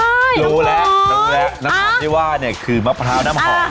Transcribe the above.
รู้แหละน้ำหอมที่ว่าคือมะพร้าวน้ำหอมแน่เลย